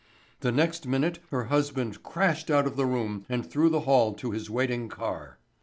The next minute her husband crashed out of the room and through the hall to his waiting car.